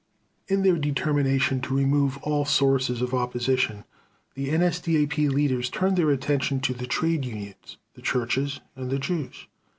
In their determination to remove all sources of opposition, the NSDAP leaders turned their attention to the trade unions, the churches, and the Jews.